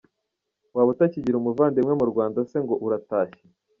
Waba utakigra umuvandimwe mu Rwanda se ngo uratashye?